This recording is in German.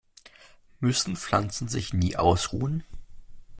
Müssen Pflanzen sich nie ausruhen?